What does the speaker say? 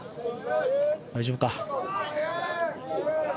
大丈夫か。